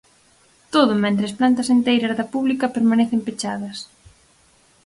Todo mentres plantas enteiras da pública permanecen pechadas.